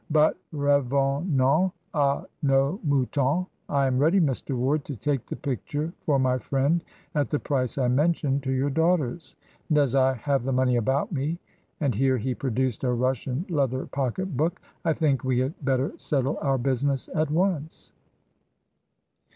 But, revenons à nos moutons, I am ready, Mr. Ward, to take the picture for my friend at the price I mentioned to your daughters; and as I have the money about me" and here he produced a Russian leather pocket book "I think we had better settle our business at once."